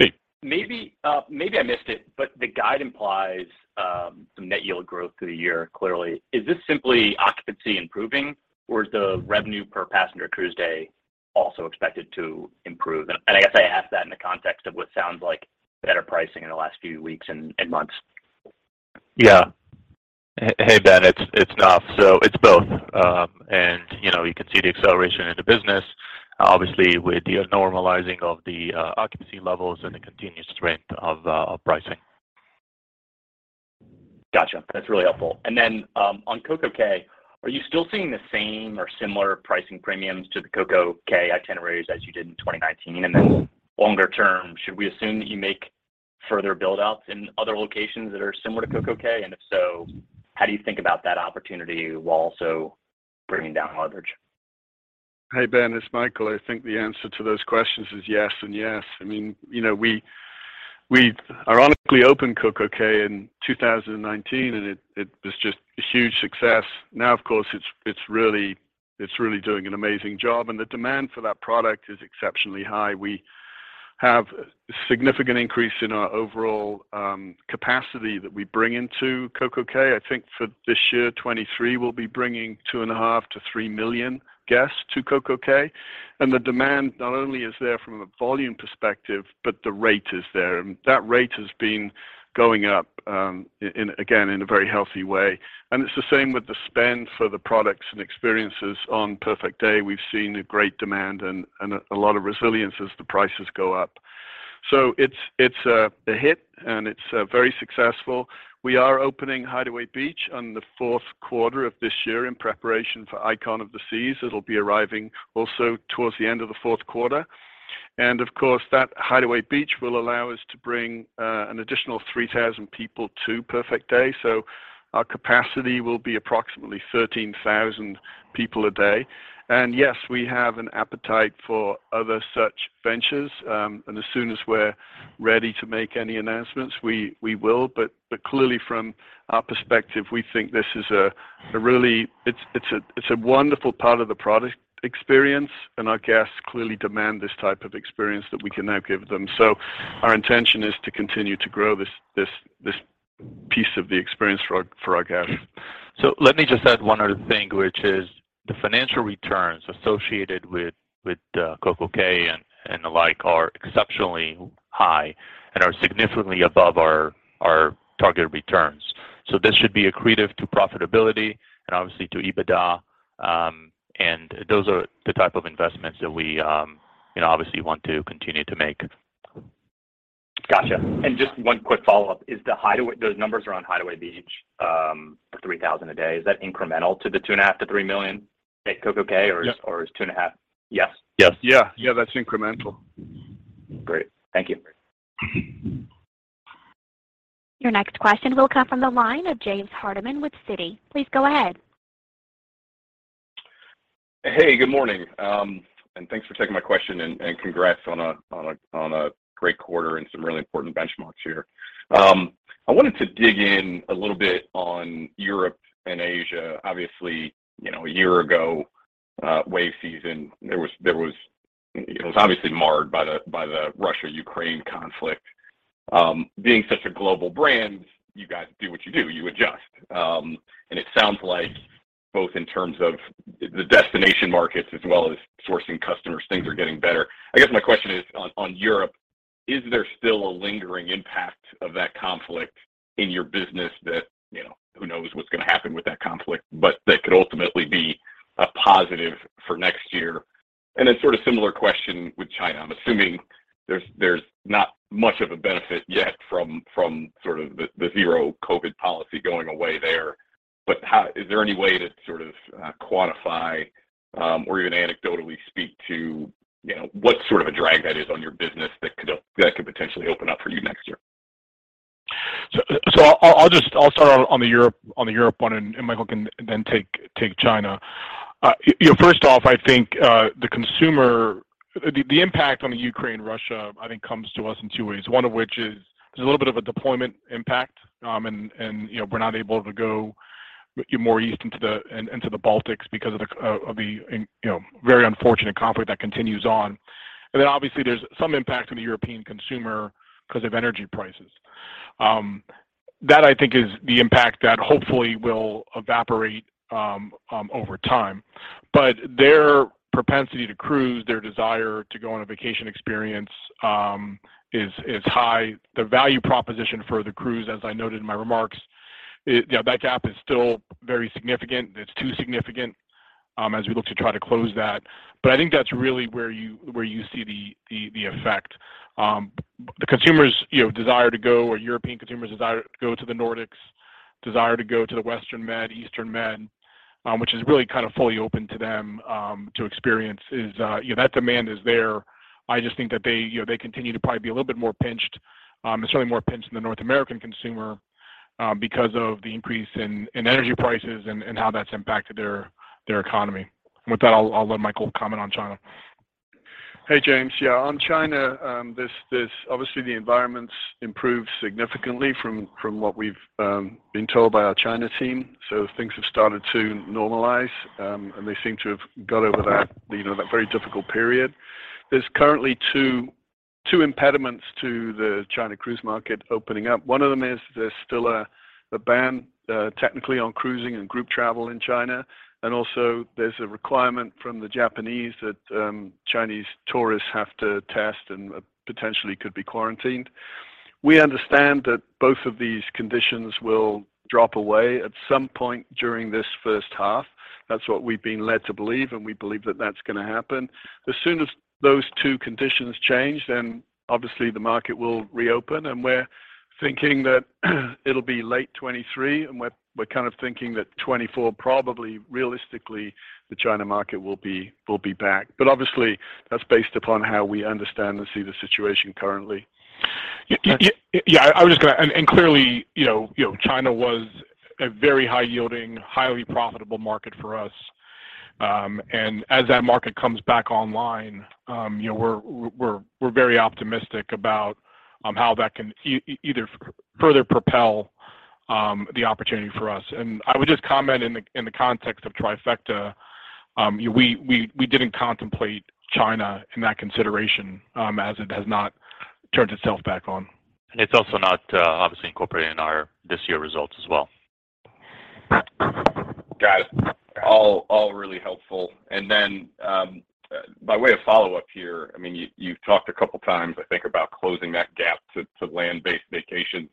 Hey. Maybe, maybe I missed it, but the guide implies some net yield growth through the year clearly. Is this simply occupancy improving or is the revenue per Passenger Cruise Day also expected to improve? I guess I ask that in the context of what sounds like better pricing in the last few weeks and months. Yeah. Hey, Ben, it's Naf. It's both. You know, you can see the acceleration in the business, obviously with the normalizing of the occupancy levels and the continued strength of pricing. Gotcha. That's really helpful. On CocoCay, are you still seeing the same or similar pricing premiums to the CocoCay itineraries as you did in 2019? Longer term, should we assume that you make further build-outs in other locations that are similar to CocoCay? If so, how do you think about that opportunity while also bringing down leverage? Hey, Ben, it's Michael. I think the answer to those questions is yes and yes. I mean, you know, we ironically opened CocoCay in 2019, and it was just a huge success. Now, of course, it's really doing an amazing job and the demand for that product is exceptionally high. We have significant increase in our overall capacity that we bring into CocoCay. I think for this year, 2023, we'll be bringing 2.5 million-3 million guests to CocoCay. The demand not only is there from a volume perspective, but the rate is there. That rate has been going up and again, in a very healthy way. It's the same with the spend for the products and experiences on Perfect Day. We've seen a great demand and a lot of resilience as the prices go up. It's a hit and it's very successful. We are opening Hideaway Beach on the fourth quarter of this year in preparation for Icon of the Seas. It'll be arriving also towards the end of the fourth quarter. Of course, that Hideaway Beach will allow us to bring an additional 3,000 people to Perfect Day, so our capacity will be approximately 13,000 people a day. Yes, we have an appetite for other such ventures, and as soon as we're ready to make any announcements, we will. Clearly from our perspective, we think this is a really... It's a wonderful part of the product experience and our guests clearly demand this type of experience that we can now give them. Our intention is to continue to grow this piece of the experience for our guests. Let me just add one other thing, which is the financial returns associated with CocoCay and the like are exceptionally high and are significantly above our target returns. This should be accretive to profitability and obviously to EBITDA, and those are the type of investments that we, you know, obviously want to continue to make. Gotcha. Just one quick follow-up. Those numbers around Hideaway Beach, the 3,000 a day, is that incremental to the 2.5 million-3 million at CocoCay or? Yep. Or is 2.5? Yes? Yes. Yeah. Yeah, that's incremental. Great. Thank you. Your next question will come from the line of James Hardiman with Citi. Please go ahead. Hey, good morning. Thanks for taking my question and congrats on a great quarter and some really important benchmarks here. I wanted to dig in a little bit on Europe and Asia. Obviously, you know, one year ago, WAVE Season, it was obviously marred by the Russia-Ukraine conflict. Being such a global brand, you guys do what you do, you adjust. It sounds like both in terms of the destination markets as well as sourcing customers, things are getting better. I guess my question is on Europe, is there still a lingering impact of that conflict in your business that, you know, who knows what's gonna happen with that conflict, but that could ultimately be a positive for next year? A sort of similar question with China? I'm assuming there's not much of a benefit yet from sort of the zero COVID policy going away there. Is there any way to sort of quantify, or even anecdotally speak to, you know, what sort of a drag that is on your business that could potentially open up for you next year? I'll start on the Europe one and Michael can then take China. You know, first off, I think the consumer... The impact on the Ukraine-Russia I think comes to us in two ways, one of which is there's a little bit of a deployment impact, and, you know, we're not able to go more east into the Baltics because of the, you know, very unfortunate conflict that continues on. Obviously there's some impact on the European consumer because of energy prices. That I think is the impact that hopefully will evaporate over time. Their propensity to cruise, their desire to go on a vacation experience, is high. The value proposition for the cruise, as I noted in my remarks, it yeah, that gap is still very significant. It's too significant, as we look to try to close that. I think that's really where you, where you see the, the effect. The consumers', you know, desire to go, or European consumers' desire to go to the Nordics, desire to go to the Western Med, Eastern Med, which is really kind of fully open to them, to experience is, you know, that demand is there. I just think that they, you know, they continue to probably be a little bit more pinched, and certainly more pinched than the North American consumer, because of the increase in energy prices and how that's impacted their economy. With that, I'll let Michael comment on China. Hey, James. Yeah, on China, Obviously, the environment's improved significantly from what we've been told by our China team. Things have started to normalize, and they seem to have got over that, you know, that very difficult period. There's currently two impediments to the China cruise market opening up. One of them is there's still a ban technically on cruising and group travel in China. Also there's a requirement from the Japanese that Chinese tourists have to test and potentially could be quarantined. We understand that both of these conditions will drop away at some point during this first half. That's what we've been led to believe, and we believe that that's gonna happen. As soon as those two conditions change, then obviously the market will reopen, and we're thinking that it'll be late 2023, and we're kind of thinking that 2024 probably realistically the China market will be back. Obviously that's based upon how we understand and see the situation currently. Yeah, I was just gonna... Clearly, you know, China was a very high-yielding, highly profitable market for us. As that market comes back online, you know, we're very optimistic about how that can either further propel the opportunity for us. I would just comment in the context of Trifecta, we didn't contemplate China in that consideration, as it has not turned itself back on. It's also not, obviously incorporated in our this year results as well. Got it. All really helpful. By way of follow-up here, I mean, you've talked a couple times, I think, about closing that gap to land-based vacations.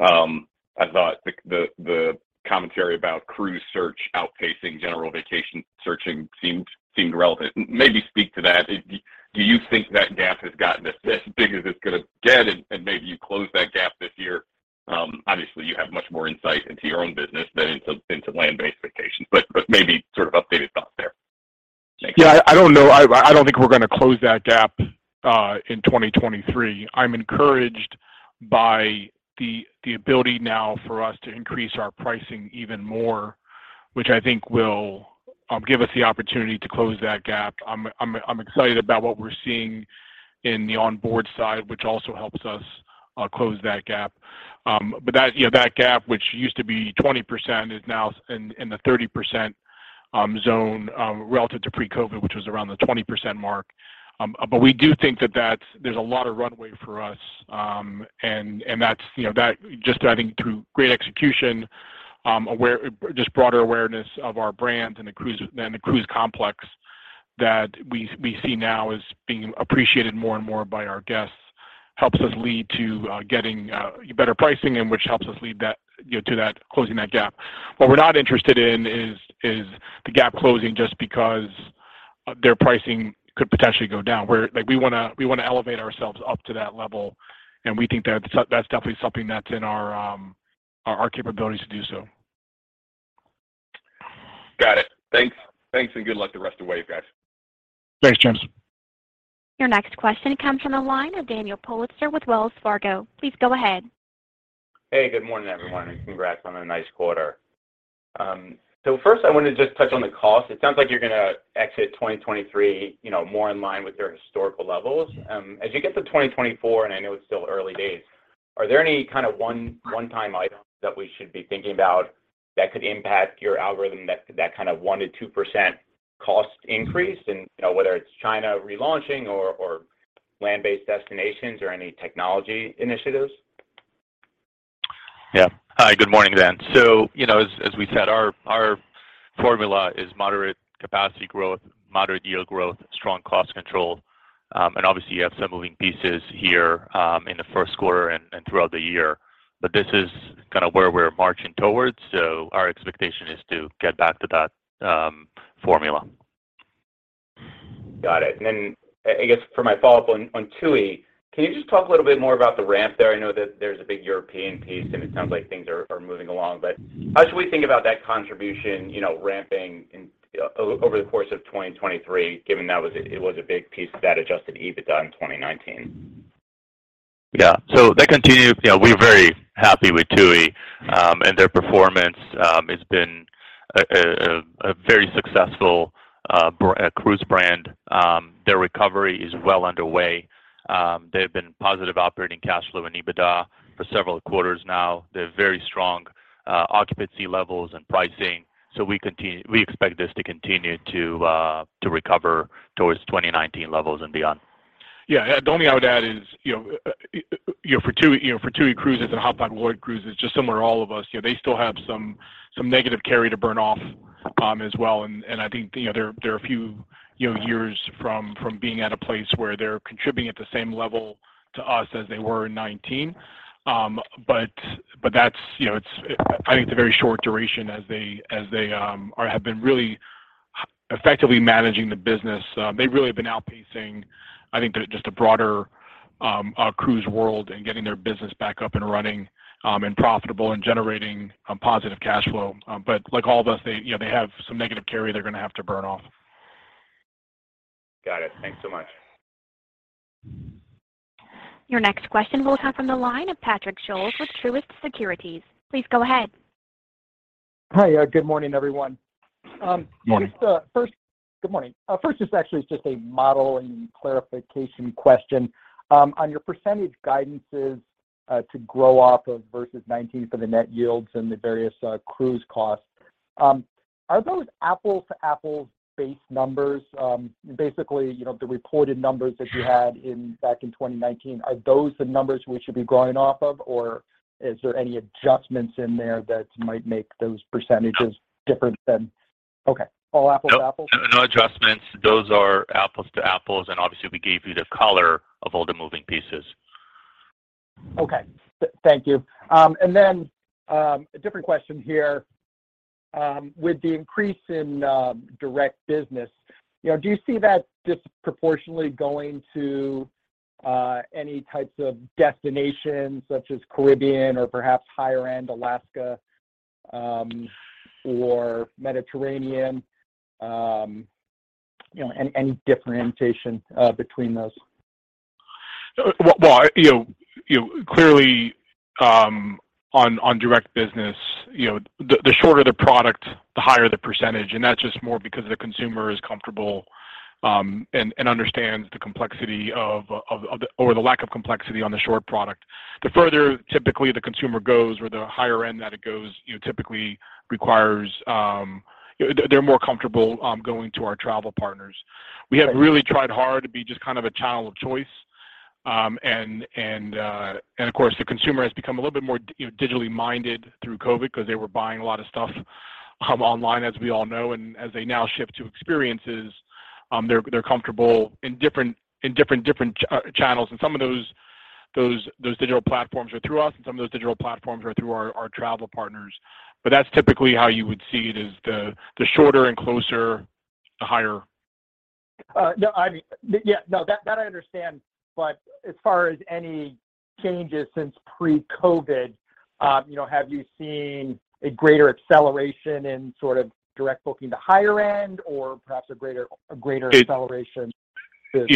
I thought the commentary about cruise search outpacing general vacation searching seemed relevant. Maybe speak to that. Do you think that gap has gotten as big as it's gonna get, and maybe you close that gap this year? Obviously, you have much more insight into your own business than into land-based vacations, but maybe sort of updated thoughts there. Thanks. Yeah, I don't know. I don't think we're gonna close that gap in 2023. I'm encouraged by the ability now for us to increase our pricing even more, which I think will give us the opportunity to close that gap. I'm excited about what we're seeing in the onboard side, which also helps us close that gap. That, you know, that gap, which used to be 20%, is now in the 30% zone relative to pre-COVID, which was around the 20% mark. We do think that there's a lot of runway for us, and that's, you know, that just adding through great execution, just broader awareness of our brand and the cruise complex that we see now as being appreciated more and more by our guests helps us lead to getting better pricing and which helps us lead, you know, to closing that gap. What we're not interested in is the gap closing just because their pricing could potentially go down. Like, we wanna elevate ourselves up to that level, and we think that's definitely something that's in our capability to do so. Got it. Thanks. Thanks, good luck the rest of the WAVE, guys. Thanks, James. Your next question comes from the line of Daniel Politzer with Wells Fargo. Please go ahead. Hey, good morning, everyone. Congrats on a nice quarter. First I wanna just touch on the cost. It sounds like you're gonna exit 2023, you know, more in line with your historical levels. As you get to 2024, and I know it's still early days, are there any kind of one-time items that we should be thinking about that could impact your algorithm, that kind of 1%-2% cost increase in, you know, whether it's China relaunching or land-based destinations or any technology initiatives? Yeah. Hi, good morning, Dan. You know, as we said, our formula is moderate capacity growth, moderate yield growth, strong cost control. Obviously you have some moving pieces here in the first quarter and throughout the year. This is kind of where we're marching towards. Our expectation is to get back to that formula. Got it. I guess for my follow-up on TUI, can you just talk a little bit more about the ramp there? I know that there's a big European piece, and it sounds like things are moving along. How should we think about that contribution, you know, ramping over the course of 2023, given that it was a big piece of that adjusted EBITDA in 2019? Yeah. That continues. You know, we're very happy with TUI, and their performance has been a very successful cruise brand. Their recovery is well underway. They've been positive operating cash flow and EBITDA for several quarters now. They're very strong occupancy levels and pricing. We expect this to continue to recover towards 2019 levels and beyond. Yeah. The only thing I would add is, you know, for TUI, you know, for TUI Cruises and Holland America Line, just similar to all of us, you know, they still have some negative carry to burn off, as well. I think, you know, they're a few, you know, years from being at a place where they're contributing at the same level to us as they were in 2019. But that's, you know, I think it's a very short duration as they have been really effectively managing the business. They really have been outpacing, I think, just a broader cruise world and getting their business back up and running, and profitable and generating positive cash flow. Like all of us, they, you know, they have some negative carry they're gonna have to burn off. Got it. Thanks so much. Your next question will come from the line of Patrick Scholes with Truist Securities. Please go ahead. Hi. Good morning, everyone. Morning. Just, first. Good morning. First, this actually is just a model and clarification question. On your percentage guidances, to grow off of versus 2019 for the net yields and the various cruise costs, are those apples-to-apples based numbers? Basically, you know, the reported numbers that you had back in 2019, are those the numbers we should be going off of, or is there any adjustments in there that might make those percentages different than? Okay. All apples to apples? No. No adjustments. Those are apples to apples. Obviously we gave you the color of all the moving pieces. Okay. Thank you. A different question here. With the increase in direct business, you know, do you see that disproportionately going to any types of destinations such as Caribbean or perhaps higher end Alaska or Mediterranean? You know, any differentiation between those? Well, you know, you know, clearly, on direct business, you know, the shorter the product, the higher the percentage, and that's just more because the consumer is comfortable and understands the complexity of the lack of complexity on the short product. The further typically the consumer goes or the higher end that it goes, you know, typically requires, you know, they're more comfortable going to our travel partners. We have really tried hard to be just kind of a channel of choice. Of course, the consumer has become a little bit more, you know, digitally minded through COVID because they were buying a lot of stuff online, as we all know. As they now shift to experiences, they're comfortable in different channels. Some of those digital platforms are through us, and some of those digital platforms are through our travel partners. That's typically how you would see it, is the shorter and closer, the higher. No, I mean, yeah, no, that I understand. As far as any changes since pre-COVID, you know, have you seen a greater acceleration in sort of direct booking to higher end or perhaps a greater acceleration to.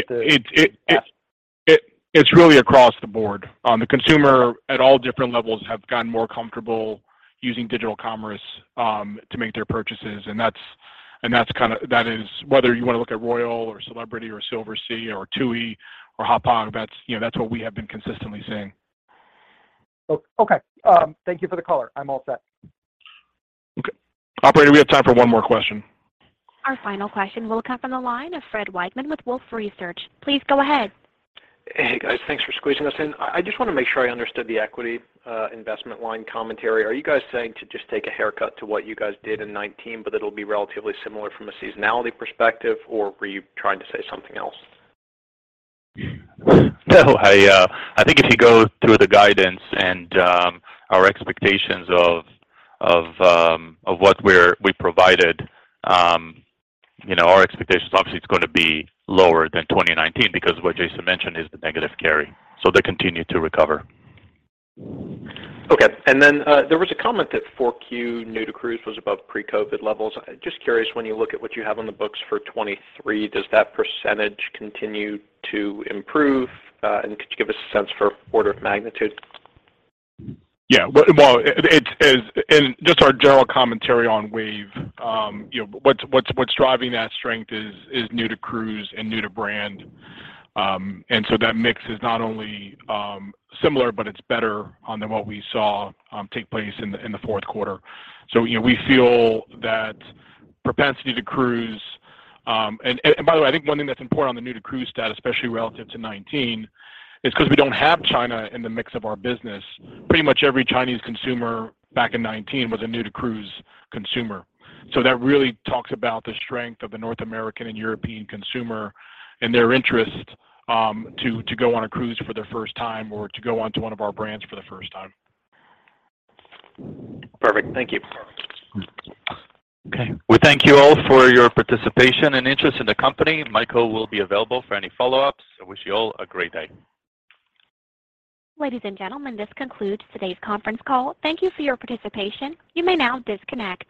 It's really across the board. The consumer at all different levels have gotten more comfortable using digital commerce to make their purchases. That is whether you want to look at Royal Caribbean International or Celebrity Cruises or Silversea Cruises or TUI Cruises or Hapag-Lloyd Cruises, that's, you know, that's what we have been consistently seeing. Okay. Thank you for the color. I'm all set. Okay. Operator, we have time for one more question. Our final question will come from the line of Fred Wightman with Wolfe Research. Please go ahead. Hey, guys. Thanks for squeezing us in. I just wanna make sure I understood the equity investment line commentary. Are you guys saying to just take a haircut to what you guys did in 2019, but it'll be relatively similar from a seasonality perspective, or were you trying to say something else? No, I think if you go through the guidance and our expectations of what we provided, you know, our expectations, obviously, it's gonna be lower than 2019 because what Jason mentioned is the negative carry. They continue to recover. Okay. There was a comment that 4Q new to cruise was above pre-COVID levels. Just curious, when you look at what you have on the books for 2023, does that percentage continue to improve? Could you give us a sense for order of magnitude? Yeah. Well, it's just our general commentary on WAVE, you know, what's driving that strength is new to cruise and new to brand. That mix is not only similar, but it's better on than what we saw take place in the fourth quarter. You know, we feel that propensity to cruise. By the way, I think one thing that's important on the new to cruise stat, especially relative to 19, is because we don't have China in the mix of our business. Pretty much every Chinese consumer back in 19 was a new to cruise consumer. That really talks about the strength of the North American and European consumer and their interest, to go on a cruise for the first time or to go onto one of our brands for the first time. Perfect. Thank you. Okay. We thank you all for your participation and interest in the company. Michael will be available for any follow-ups. I wish you all a great day. Ladies and gentlemen, this concludes today's conference call. Thank you for your participation. You may now disconnect.